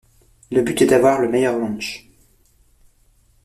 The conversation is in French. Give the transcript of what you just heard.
Le but est d'avoir le meilleur ranch.